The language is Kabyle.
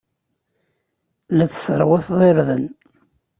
La tesserwateḍ irden.